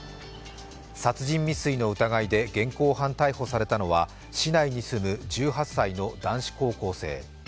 殺人未遂の疑いで現行犯逮捕されたのは市内に住む１８歳の男子高校生。